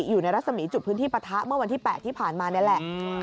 อยู่ในรัฐสมีย์จุดพื้นที่ปะทะเมื่อวันที่แปดที่ผ่านมานี่แหละอืม